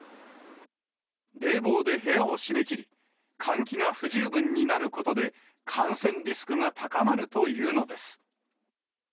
冷房で部屋を閉めきり、換気が不十分になることで、感染リスクが高まるというのです。